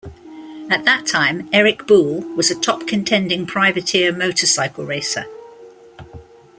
At that time, Erik Buell was a top contending privateer motorcycle racer.